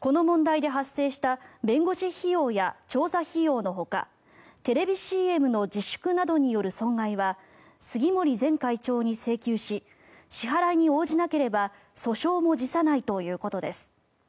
この問題で発生した弁護士費用や調査費用のほかテレビＣＭの自粛などによる損害は、杉森前会長に請求し支払いに応じなければ訴訟も辞さないということです。